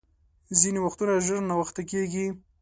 ځیني وختونه ژر ناوخته کېږي .